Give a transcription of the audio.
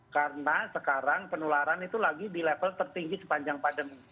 karena sekarang penularan itu lagi di level tertinggi sepanjang pandemi